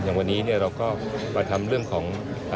อย่างวันนี้เราก็มาทำเรื่องของ